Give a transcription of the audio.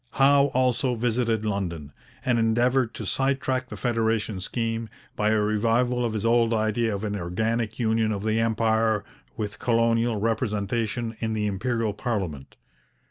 Howe also visited London, and endeavoured to sidetrack the federation scheme by a revival of his old idea of an organic union of the Empire with colonial representation in the Imperial parliament.